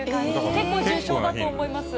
結構重症だと思います。